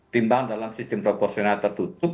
timbang dalam sistem proporsional tertutup